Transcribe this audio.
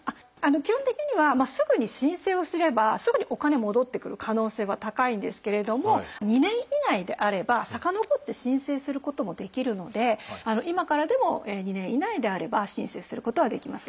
基本的にはすぐに申請をすればすぐにお金戻ってくる可能性は高いんですけれども２年以内であれば遡って申請することもできるので今からでも２年以内であれば申請することはできます。